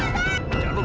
aduh teteh ampun